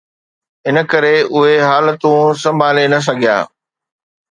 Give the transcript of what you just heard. ان ڪري اهي حالتون سنڀالي نه سگهيا.